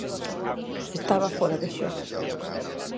Estaba fóra de xogo.